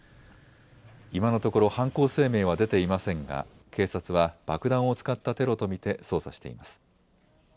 今のところ犯行声明は出ていませんが警察は爆弾を使ったテロと見て捜査しています。